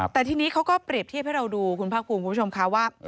แต่ทีนี้เขาก็เปรียบเทียบให้เราดูคุณภาคภูมิคุณผู้ชมค่ะว่า